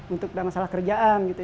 untuk masalah kerjaan gitu